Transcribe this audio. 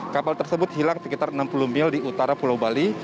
kapal tersebut hilang sekitar enam puluh mil di utara pulau bali